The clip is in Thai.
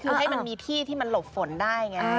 คือให้มันมีที่ที่มันหลบฝนได้ไง